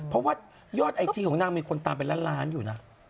เพราะว่ายอดไอจีของนางมีคนตามเป็นล้านล้านอยู่นะ